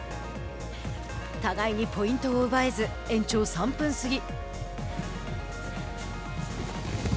互いにポイントを奪えず延長３分すぎ。